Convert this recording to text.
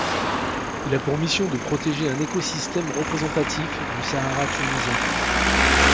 Il a pour mission de protéger un écosystème représentatif du Sahara tunisien.